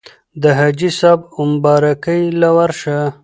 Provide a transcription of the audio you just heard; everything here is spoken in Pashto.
د حاجي صېب اومبارکۍ له ورشه